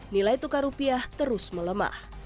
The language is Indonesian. nilai tukar rupiah terus melemah